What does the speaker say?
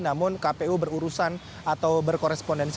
namun kpu berurusan atau berkorespondensi